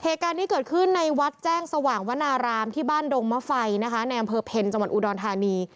เทการที่เกิดขึ้นในวัดแจ้งสว่างวนารามที่บ้านดงมฟัยนะคะแนมเผอร์เพ็ญจังหวัดอุดรทานี